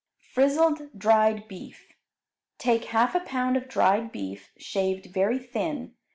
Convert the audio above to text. Frizzled Dried Beef Take half a pound of dried beef, shaved very thin.